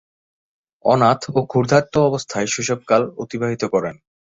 অনাথ ও ক্ষুধার্ত অবস্থায় শৈশবকাল অতিবাহিত করেন।